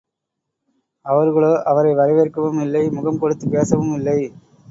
அவர்களோ, அவரை வரவேற்கவும் இல்லை முகம் கொடுத்துப் பேசவும் இல்லை.